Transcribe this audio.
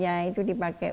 yang tadi itu dipakai